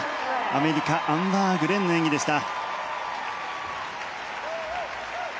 アメリカ、アンバー・グレンの演技でした。